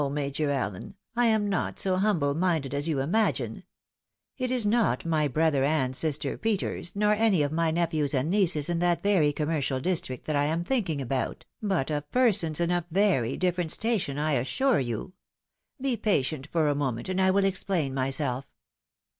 Major Allen, I am not so humble minded as you imagine. It is not my brother and sister Peters, nor any of my nephews and nieces in that very commercial district that I am thinking about, but of persons in a very different station, I assure you. Be patient for a moment, and I will explain myself."